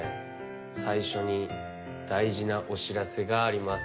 最初に大事なお知らせがあります。